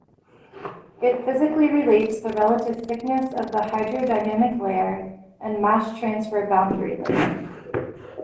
It physically relates the relative thickness of the hydrodynamic layer and mass-transfer boundary layer.